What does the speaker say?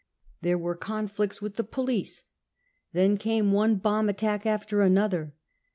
E PATH TO POWER 33 were conflicts with the police. Then came one bomb attack after another.